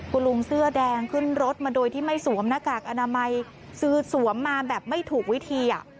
คุณลุงเสื้อแดงขึ้นรถมาโดยที่ไม่สวมหน้ากากอนามัยคือสวมมาแบบไม่ถูกวิธี